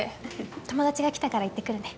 友達が来たから行ってくるね。